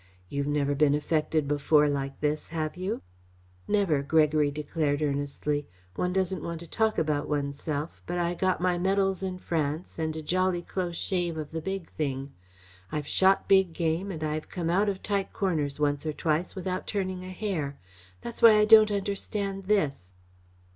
You've never been affected before like this, have you?" "Never," Gregory declared earnestly. "One doesn't want to talk about oneself, but I got my medals in France, and a jolly close shave of the big thing. I've shot big game and I've come out of tight corners once or twice without turning a hair. That's why I don't understand this."